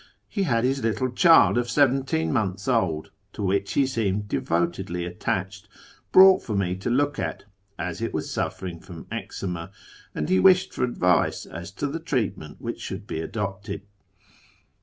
He had his little child of seventeen months old (to which he seemed devotedly attached) brought for me to look at, as it was suffering from eczema, and lie wished for advice as to the treatment which should be adojDted.